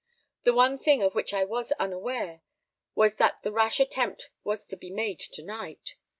The only thing of which I was unaware, was that the rash attempt was to be made to night.